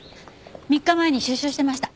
３日前に出所してました。